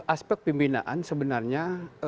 aspek pembinaan sebenarnya